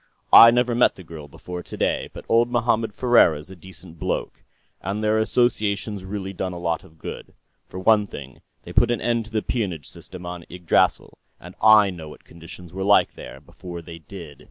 I never met the girl before today, but old Mohammed Ferriera's a decent bloke. And their association's really done a lot of good. For one thing, they put an end to the peonage system on Yggdrasill, and I know what conditions were like, there, before they did."